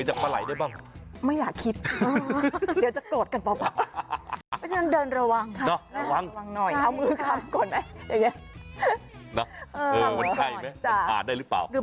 หน้าตาผมก็แย่อยู่แล้ว